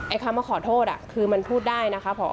คำว่าขอโทษคือมันพูดได้นะคะ